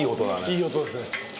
いい音ですね。